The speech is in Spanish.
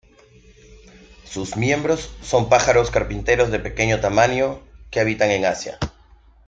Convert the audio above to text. Sus miembros son pájaros carpinteros de pequeño tamaño que habitan en Asia.